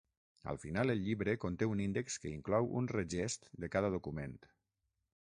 Al final el llibre conté un índex que inclou un regest de cada document.